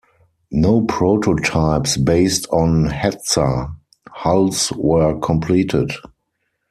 No prototypes based on "Hetzer" hulls were completed.